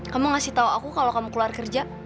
kamu ngasih tahu aku kalau kamu keluar kerja